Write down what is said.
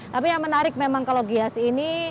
tapi yang menarik memang kalau gias ini